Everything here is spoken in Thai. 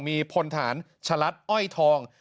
มีพลฐานชะลัดอ้อยทอง